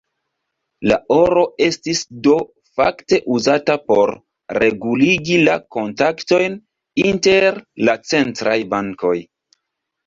La oro estis do fakte uzata por reguligi la kontaktojn inter la centraj bankoj.